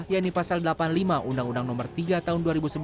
yakni pasal delapan puluh lima undang undang nomor tiga tahun dua ribu sebelas